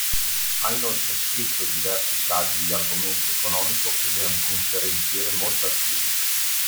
Ha inoltre scritto diversi saggi di argomento economico ed è un conferenziere molto attivo.